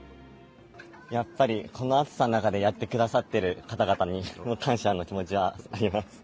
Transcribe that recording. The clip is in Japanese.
やっぱりこの暑さの中でやってくださっている方々に感謝の気持ちはあります。